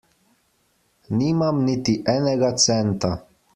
Nimam niti enega centa.